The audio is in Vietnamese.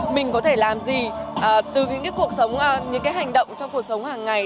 mình có thể làm gì từ những cái hành động trong cuộc sống hàng ngày